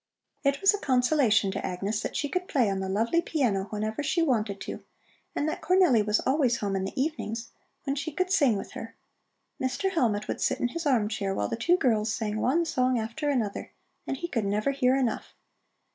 It was a consolation to Agnes that she could play on the lovely piano whenever she wanted to and that Cornelli was always home in the evenings, when she could sing with her. Mr. Hellmut would sit in his arm chair while the two girls sang one song after another, and he could never hear enough.